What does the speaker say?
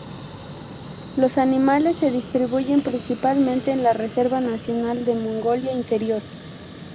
Los animales se distribuyen principalmente en la Reserva Nacional de Mongolia Interior.